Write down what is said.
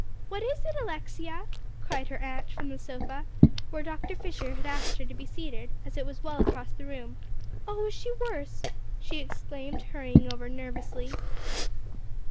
"What is it, Alexia?" cried her aunt from the sofa, where Dr. Fisher had asked her to be seated, as it was well across the room. "Oh, is she worse?" she exclaimed, hurrying over nervously.